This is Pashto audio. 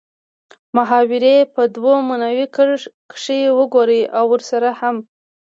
محاورې په دوو معنو کښې وګورئ او ورسره هم